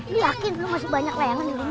lu yakin lu masih banyak layangan di rumah